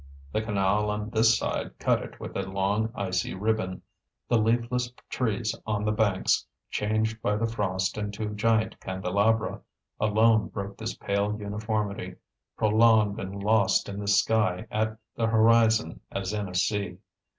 The canal on this side cut it with a long icy ribbon. The leafless trees on the banks, changed by the frost into giant candelabra, alone broke this pale uniformity, prolonged and lost in the sky at the horizon as in a sea.